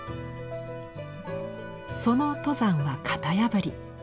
その登山は型破り。